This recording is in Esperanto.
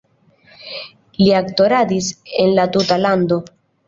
Li aktoradis en la tuta lando.